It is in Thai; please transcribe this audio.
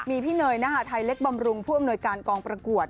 มีพี่เนยนะคะไทยเล็กบำรุงผู้อำนวยการกองประกวด